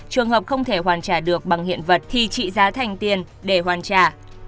trường hợp không thể hoàn trả được bằng hiện vật thì trị giá thành tiền để hoàn trả